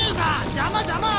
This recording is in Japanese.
邪魔邪魔！